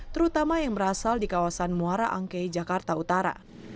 terutama yang berasal di kawasan muara angkei jakarta utara